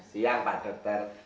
siang pak dokter